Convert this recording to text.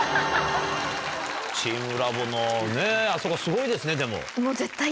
チームラボのねあそこすごいですねでも。